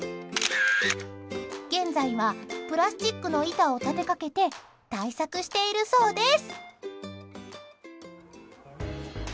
現在はプラスチックの板を立てかけて対策しているそうです。